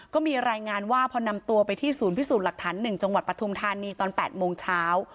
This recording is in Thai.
ก็มีรายงานว่าพอนำตัวไปที่ศูนย์พิสูจน์หลักฐาน๑จังหวัดปฐุมธานีตอน๘โมงเช้า